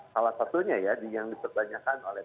salah satunya ya yang dipertanyakan oleh